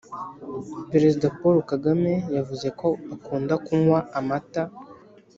Perezida paul kagame yavuzeko akunda kunywa amata